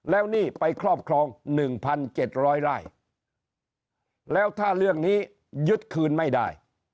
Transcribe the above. แล้วนี่ไปครอบครอง๑๗๐๐ไร่แล้วถ้าเรื่องนี้ยึดคืนไม่ได้